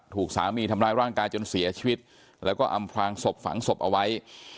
ถูกสามีทำร้ายร่างกายจนเสียชีวิตแล้วก็อำพลางศพฝังศพเอาไว้